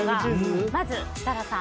まず、設楽さん。